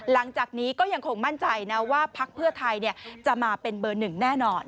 หลังจากนี้ก็ยังคงมั่นใจนะว่าพักเพื่อไทยจะมาเป็นเบอร์หนึ่งแน่นอน